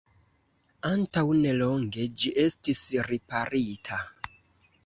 Antaŭnelonge ĝi estis riparita.